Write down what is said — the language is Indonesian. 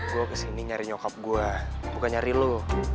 gue kesini nyari nyokap gue bukan nyari lo